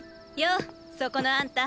うそこのあんた。